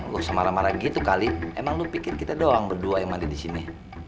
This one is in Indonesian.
lu semara marah gitu kali emang lu pikir kita doang berdua yang mandi di sini